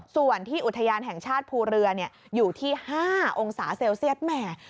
ส่วนที่อุทยานแห่งชาติภูเรืออยู่ที่๕องศาเซลเซียตแหม